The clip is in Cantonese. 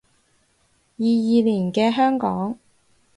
二二年嘅香港